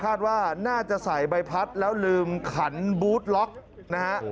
คาดว่าน่าจะใส่ใบพัดแล้วลืมขันบูธล็อกนะฮะ